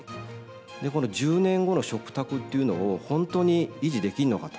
１０年後の食卓っていうのを本当に維持できるのかと。